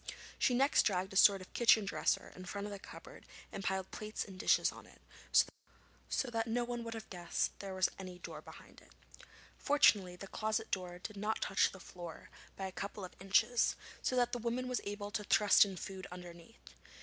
She next dragged a sort of kitchen dresser in front of the cupboard and piled plates and dishes on it, so that no one would have guessed there was any door behind. Fortunately the closet door did not touch the floor by a couple of inches, so that the woman was able to thrust in food underneath.